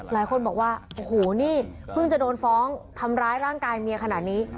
หลายคนบอกว่าโอ้โหนี่เพิ่งจะโดนฟ้องทำร้ายร่างกายเมียขนาดนี้